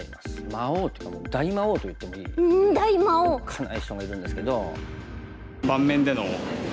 魔王というかもう「大魔王」といってもいいおっかない人がいるんですけど。